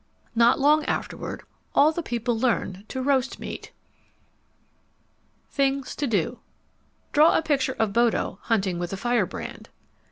Not long afterward all the people learned to roast meat. THINGS TO DO _Draw a picture of Bodo hunting with a firebrand.